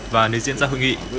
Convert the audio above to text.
và nơi diễn ra hội nghị